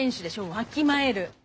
わきまえる！